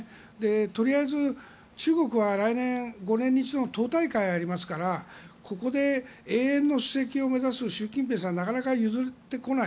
とりあえず、中国は来年、５年に一度の党大会がありますからここで永遠の首席を目指す習近平さんはなかなか譲ってこない。